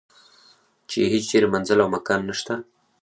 چې یې هیچرې منزل او مکان نشته.